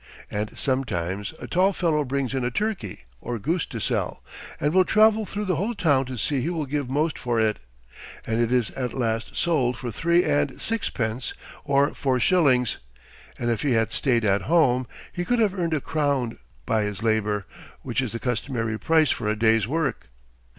And sometimes a tall fellow brings in a turkey or goose to sell, and will travel through the whole town to see who will give most for it, and it is at last sold for three and six pence or four shillings; and if he had stayed at home, he could have earned a crown by his labor, which is the customary price for a day's work.